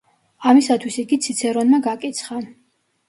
ამისათვის იგი ციცერონმა გაკიცხა.